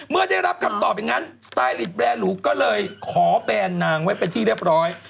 มื้อได้รับคำตอบไงก็เลยขอแปรหนางไว้ไปที่เรียบร้อย